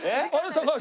高橋。